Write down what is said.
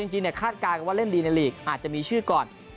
คาดการณ์ว่าเล่นดีในลีกอาจจะมีชื่อก่อน